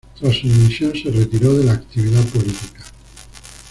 Tras su dimisión se retiró de la actividad política.